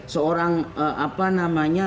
seorang apa namanya